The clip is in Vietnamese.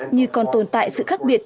như còn tồn tại sự khác biệt